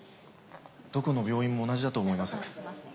どこの病院も同じだと思います。